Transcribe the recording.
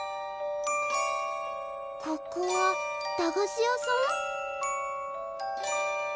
ここは駄菓子屋さん？